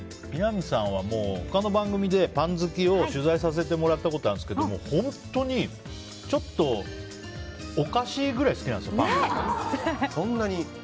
木南さんは他の番組でパン好きを取材させてもらったことあるんですけど本当にちょっとおかしいくらい好きなんですよね、パンのことが。